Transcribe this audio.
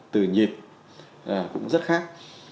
từ nhịp cũng rất khác